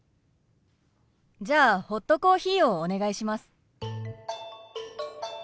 じゃあホットコーヒーをお願いします。